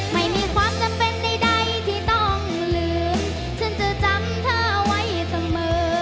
ไม่มีความจำเป็นใดที่ต้องลืมฉันจะจำเธอไว้เสมอ